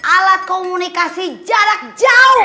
alat komunikasi jarak jauh